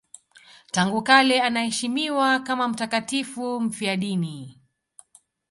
Tangu kale anaheshimiwa kama mtakatifu mfiadini.